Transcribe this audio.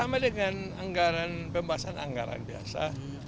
ya sama dengan anggaran pembahasan anggaran biasa